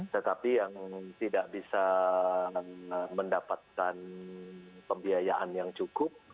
tetapi yang tidak bisa mendapatkan pembiayaan yang cukup